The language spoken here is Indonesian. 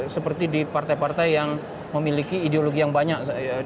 seperti di partai partai yang memiliki ideologi yang banyak